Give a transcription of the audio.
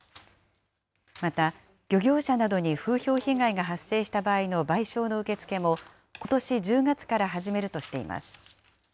また、漁業者などに風評被害が発生した場合の賠償の受け付けも、ことし１０月から始めるとしています。